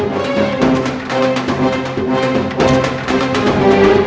mas suha jahat